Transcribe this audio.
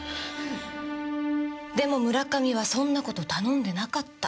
でも村上はそんなこと頼んでなかった。